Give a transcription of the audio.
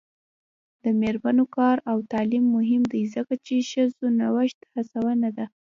د میرمنو کار او تعلیم مهم دی ځکه چې ښځو نوښت هڅونه ده.